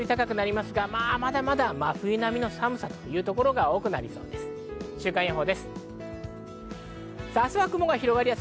まだまだ真冬並みの寒さという所が多くなりそうです。